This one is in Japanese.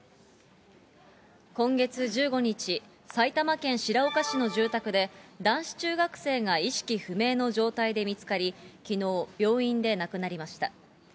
今月１５日、埼玉県白岡市の住宅で、男子中学生が意識不明の状態で見つかり、きのう、病院で亡くなりました。